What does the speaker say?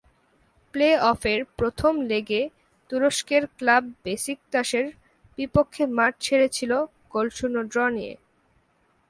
প্লে-অফের প্রথম লেগে তুরস্কের ক্লাব বেসিকতাসের বিপক্ষে মাঠ ছেড়েছিল গোলশূন্য ড্র নিয়ে।